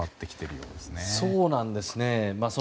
そうなんですね。